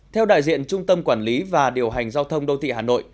theo đại diện trung tâm quản lý và điều hành giao thông đô thị hà nội